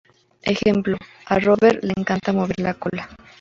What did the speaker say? Ejemplo: "A Rover le encanta mover la cola.